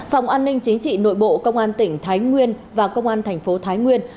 phòng an ninh chính trị nội bộ công an tỉnh thái nguyên và công an thành phố thái nguyên